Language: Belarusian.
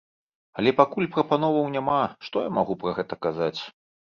Але пакуль прапановаў няма, што я магу пра гэта казаць?